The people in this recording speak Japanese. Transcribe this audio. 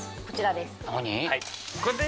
こちらです何？